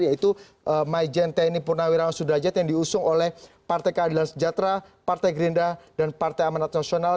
yaitu mai jente nipunawirawan sudrajat yang diusung oleh partai keadilan sejahtera partai gerinda dan partai amanat nasional